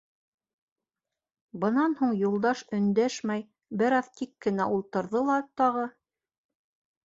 Бынан һуң Юлдаш өндәшмәй, бер аҙ тик кенә ултырҙы ла тағы: